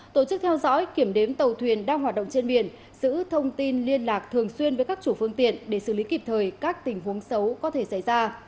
tổ chức theo dõi kiểm đếm tàu thuyền đang hoạt động trên biển giữ thông tin liên lạc thường xuyên với các chủ phương tiện để xử lý kịp thời các tình huống xấu có thể xảy ra